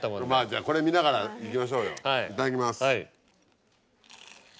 じゃあこれ見ながらいきましょうよいただきます。